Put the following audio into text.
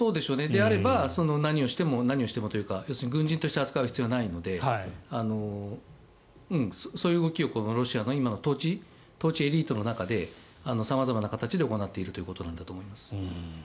であれば何をしても何をしてもというか要するに軍人として扱う必要がないのでそういう動きをロシアの今の統治エリートの中で様々な形で行っているということだと思います。